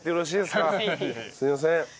すいません。